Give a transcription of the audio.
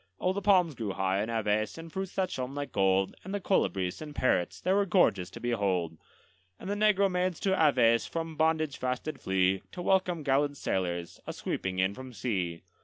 Oh, the palms grew high in Aves, and fruits that shone like gold, And the colibris and parrots they were gorgeous to behold; And the negro maids to Aves from bondage fast did flee, To welcome gallant sailors, a sweeping in from sea.